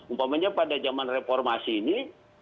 umpamanya pada zaman reformasi ini